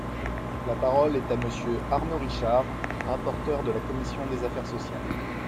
La parole est à Monsieur Arnaud Richard, rapporteur de la commission des affaires sociales.